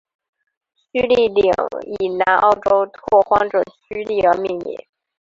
屈利岭以南澳州拓荒者屈利而命名。